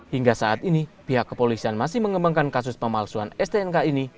hingga saat ini pihak kepolisian masih mengembangkan kasus pemalsuan stnk ini